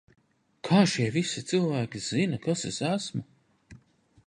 Kā šie visi cilvēki zina, kas es esmu?